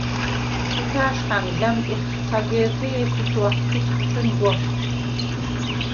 ქუთა̄̈შხა̈ნ ჟ’ა̈მტიხხ ცაგე̄რთე ი ეჩეჩუ ათქუ̂იცხ თხუ̂იმ გუ̂აშუ̂: